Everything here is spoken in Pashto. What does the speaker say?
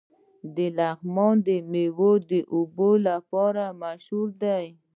د لغمان لیمو د اوبو لپاره مشهور دي.